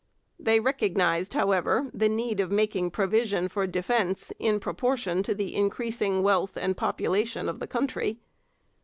They recognized, however, the need of making provision for defence in proportion to the increasing wealth and population of the country.